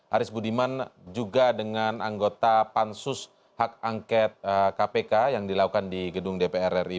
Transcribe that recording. aris budiman juga dengan anggota pansus hak angket kpk yang dilakukan di gedung dpr ri